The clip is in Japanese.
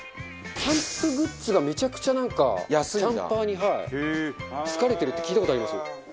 キャンプグッズがめちゃくちゃなんかキャンパーに好かれてるって聞いた事あります。